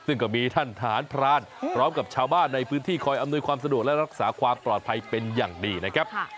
ซึ่งก็มีท่านทหารพรานพร้อมกับชาวบ้านในพื้นที่คอยอำนวยความสะดวกและรักษาความปลอดภัยเป็นอย่างดีนะครับ